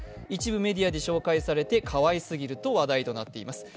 一部メディアで紹介されて、かわいすぎると話題になっています。